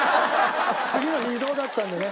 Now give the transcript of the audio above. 次の日移動だったんでね